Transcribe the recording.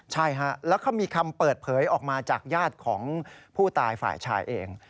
ใช่ฮะแล้วก็มีคำเปิดเผยออกมาจากญาติของผู้ตายฝ่ายชายเอง